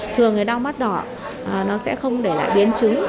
thường thì đau mắt đỏ nó sẽ không để lại biến chứng